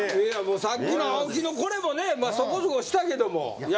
さっきの青木のこれもねそこそこしたけども。